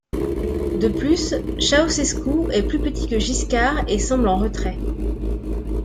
De plus, Ceaușescu est plus petit que Giscard et semble en retrait.